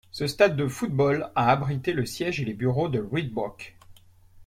Ce stade de football a abrité le siège et les bureaux de Reebok.